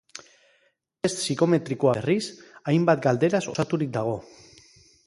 Test psikometrikoa, berriz, hainbat galderaz osaturik dago.